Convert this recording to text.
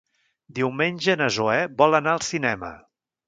Diumenge na Zoè vol anar al cinema.